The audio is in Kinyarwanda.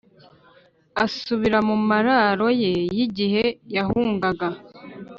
asubira mu mararo ye y'igihe yahungaga